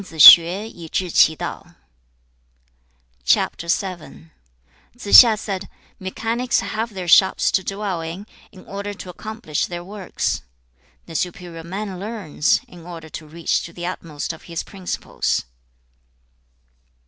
Tsze hsia said, 'Mechanics have their shops to dwell in, in order to accomplish their works. The superior man learns, in order to reach to the utmost of his principles.'